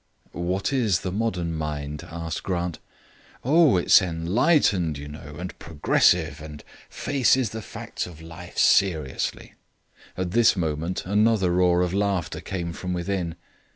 "What is the modern mind?" asked Grant. "Oh, it's enlightened, you know, and progressive and faces the facts of life seriously." At this moment another roar of laughter came from within.